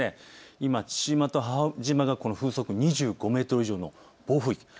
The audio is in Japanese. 今、父島と母島が風速２５メートル以上の暴風域です。